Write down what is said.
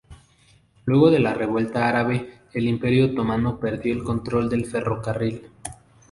Luego de la Revuelta Árabe, el Imperio Otomano perdió el control del ferrocarril.